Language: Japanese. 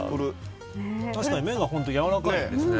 確かに麺がやわらかいですね。